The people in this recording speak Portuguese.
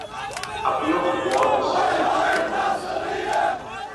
A pior moto sempre puxa mais.